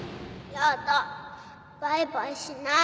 ☎やだバイバイしない